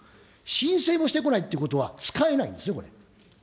申請もしてこないということは、使えないんですね、これ。